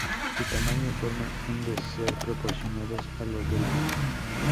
Su tamaño y forma han de ser proporcionales a los de la mesa.